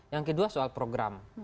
yang kedua soal program